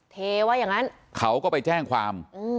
เทไว้อย่างนั้นเขาก็ไปแจ้งความ